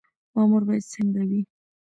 مامور باید څنګه وي؟